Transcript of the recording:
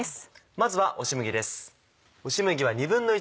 まずは押し麦です。